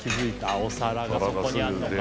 お皿がそこにあるのか。